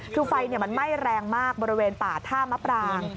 คือไฟมันไหม้แรงมากบริเวณป่าท่ามะปราง